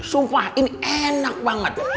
sumpah ini enak banget